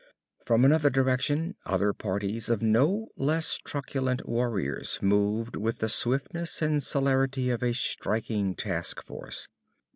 From another direction other parties of no less truculent warriors moved with the swiftness and celerity of a striking task force.